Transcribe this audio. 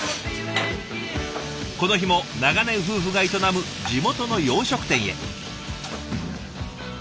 この日も長年夫婦が営む地元の洋食店へ。